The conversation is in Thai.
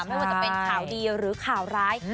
ไม่ว่าจะเป็นข่าวดีหรือข่าวร้าย